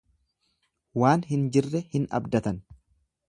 Waan hin jirre hin abdatan.